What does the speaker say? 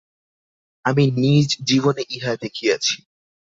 আমি নিজ জীবনে ইহা দেখিয়াছি।